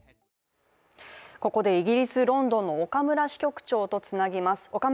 ここでイギリス・ロンドンの岡村支局長とつなぎます。